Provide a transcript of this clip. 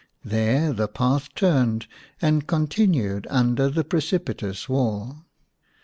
There the path turned and continued under the precipitous wall.